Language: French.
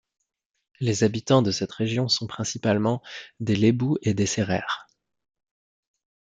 Les habitants de cette région sont principalement des Lébous et des Sérères.